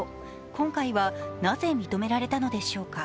今回はなぜ、認められたのでしょうか？